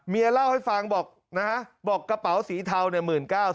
เมียเล่าให้ฟังบอกนะฮะบอกกระเป๋าสีเทา๑๙๐๐๐บาท